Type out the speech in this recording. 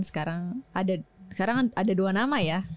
sekarang ada dua nama ya